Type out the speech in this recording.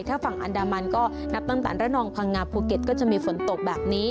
ถ้าฝั่งอันดามันก็นับตั้งแต่ระนองพังงาภูเก็ตก็จะมีฝนตกแบบนี้